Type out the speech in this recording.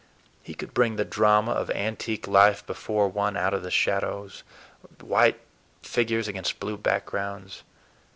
He could bring the drama of antique life before one out of the shadows—white figures against blue backgrounds.